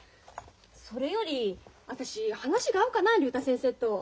それより私話が合うかな竜太先生と。